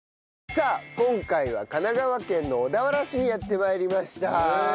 さあ今回は神奈川県の小田原市にやって参りました。